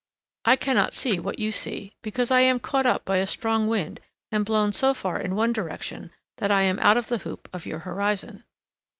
I cannot see what you see, because I am caught up by a strong wind and blown so far in one direction that I am out of the hoop of your horizon.